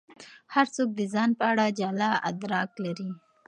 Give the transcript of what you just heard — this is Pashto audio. هر څوک د ځان په اړه جلا ادراک لري.